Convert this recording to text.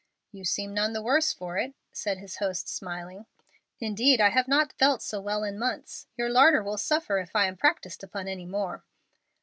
"You seem none the worse for it," said his host, smiling. "Indeed, I have not felt so well in months. Your larder will suffer if I am practiced upon any more."